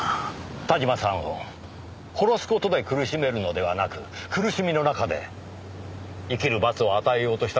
田島さんを殺す事で苦しめるのではなく苦しみの中で生きる罰を与えようとしたのですね？